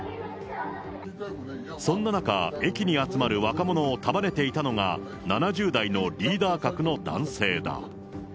そんな中、駅に集まる若者を束ねていたのが、７０代のリーダー格の男性だ。